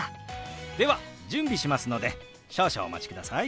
では準備しますので少々お待ちください。